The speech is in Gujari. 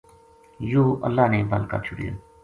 یوہ اللہ نے بل کر چھڑیو